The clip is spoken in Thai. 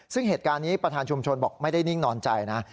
ซึ่งเหตุการณ์นี้ประธานชุมชนบอกไม่ได้นิ่งนอนใจนะ